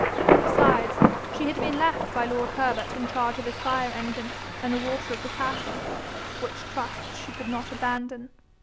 Besides, she had been left by lord Herbert in charge of his fire engine and the water of the castle, which trust she could not abandon.